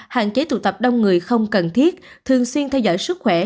hạn chế tụ tập đông người không cần thiết thường xuyên theo dõi sức khỏe